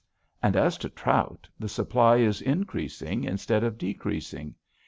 And as to trout, the supply is increasing instead of decreasing.